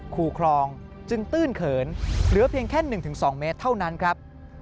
คู่คลองจึงตื้นเขินเหลือเพียงแค่๑๒เมตรเท่านั้นครับ